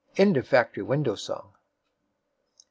End of the factory window song.